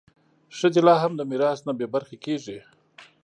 ښځې لا هم د میراث نه بې برخې کېږي.